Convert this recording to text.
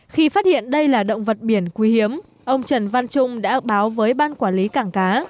khi phát hiện đây là động vật biển quý hiếm ông trần văn trung đã báo với ban quản lý cảng cá